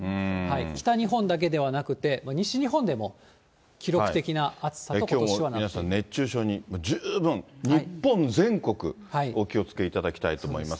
北日本だけではなくて、西日本でも記録的な暑さと、きょうも皆さん、熱中症に十分、日本全国お気をつけいただきたいと思います。